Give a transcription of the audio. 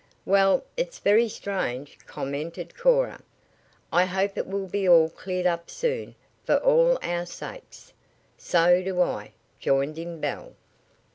"Well, it's very strange," commented Cora. "I hope it will be all cleared up soon for all our sakes." "So do I," joined in Belle.